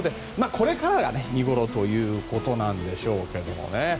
これからが見ごろということなんでしょうけども。